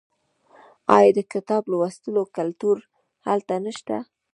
آیا د کتاب لوستلو کلتور هلته نشته؟